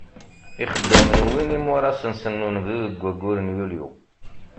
Ixeddamen wwin imuras-nsen n unebdu deg waggur n Yulyu.